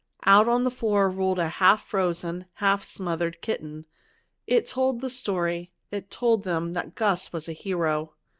Out on the floor rolled a half frozen, half smothered kitten. It told the story; it told them that Gus was a hero.